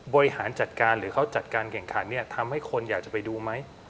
บริหารจัดการหรือเขาจัดการแข่งขันเนี่ยทำให้คนอยากจะไปดูไหม